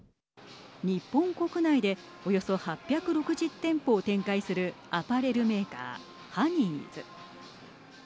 日本国内でおよそ８６０店舗を展開するアパレルメーカー、ハニーズ。